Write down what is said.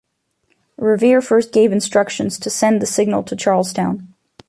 Revere first gave instructions to send the signal to Charlestown.